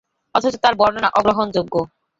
অথচ তার বর্ণনা অগ্রহণযোগ্য।